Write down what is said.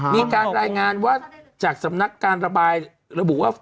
มีการรายงานว่าจากสำนักการระบายระบุว่า